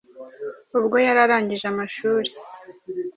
ubwo yari arangije amashuri